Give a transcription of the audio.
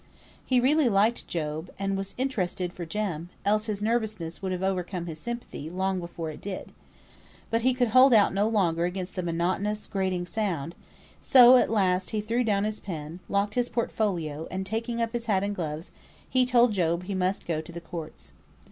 He really liked Job, and was interested for Jem, else his nervousness would have overcome his sympathy long before it did. But he could hold out no longer against the monotonous, grating sound; so at last he threw down his pen, locked his portfolio, and taking up his hat and gloves, he told Job he must go to the courts.